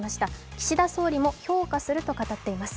岸田総理も評価すると語っています。